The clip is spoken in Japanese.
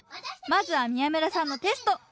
まずは宮村さんのテスト。